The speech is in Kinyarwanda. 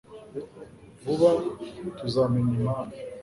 vuba, tuzamenya impamvu